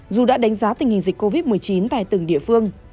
dù đã đánh giá tình hình dịch covid một mươi chín tại từng địa phương